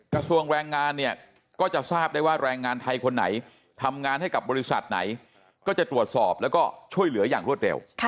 กระทรวงแรงงานเนี่ยก็จะทราบได้ว่าแรงงานไทยคนไหนทำงานให้กับบริษัทไหนก็จะตรวจสอบแล้วก็ช่วยเหลืออย่างรวดเร็ว